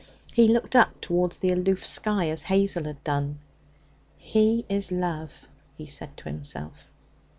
He looked up towards the aloof sky as Hazel had done. 'He is love,' he said to himself.